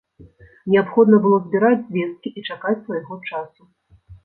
Неабходна было збіраць звесткі і чакаць свайго часу.